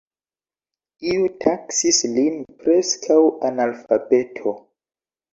Iu taksis lin "preskaŭ-analfabeto.